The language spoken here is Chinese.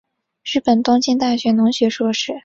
日本东京大学农学硕士。